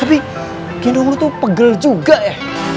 tapi gendong lo tuh pegel juga ya